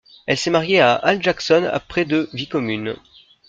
Elle s'est mariée à Al Jackson après de vie commune.